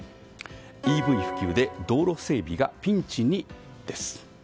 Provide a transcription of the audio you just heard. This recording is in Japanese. ＥＶ普及で道路整備がピンチに？です。